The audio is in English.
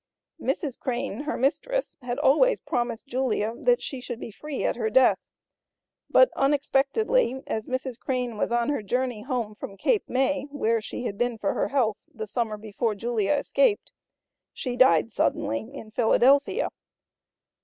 Mrs. Crane, her mistress, had always promised Julia that she should be free at her death. But, unexpectedly, as Mrs. Crane was on her journey home from Cape May, where she had been for her health the summer before Julia escaped, she died suddenly in Philadelphia.